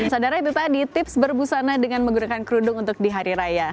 saudara itu tadi tips berbusana dengan menggunakan kerudung untuk di hari raya